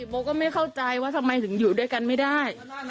โบก็ไม่เข้าใจว่าทำไมถึงอยู่ด้วยกันไม่ได้